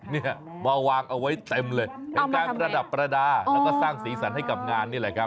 เนี่ยมาวางเอาไว้เต็มเลยเป็นการประดับประดาษแล้วก็สร้างสีสันให้กับงานนี่แหละครับ